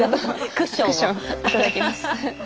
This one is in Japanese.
クッション頂きます。